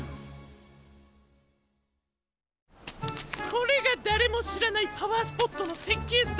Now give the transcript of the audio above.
これがだれもしらないパワースポットのせっけいずだ